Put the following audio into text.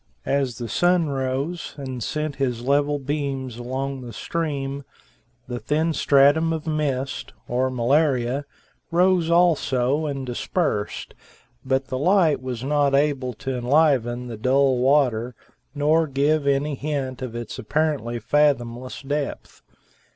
As the sun rose and sent his level beams along the stream, the thin stratum of mist, or malaria, rose also and dispersed, but the light was not able to enliven the dull water nor give any hint of its apparently fathomless depth.